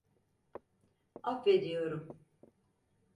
Affediyorum.